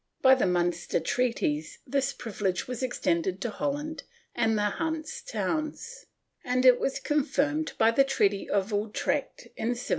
By the Munster treaties this privilege was extended to Holland and the Hanse towns, and it was confirmed by the treaty of Utrecht in 1713.